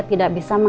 gak bisa ya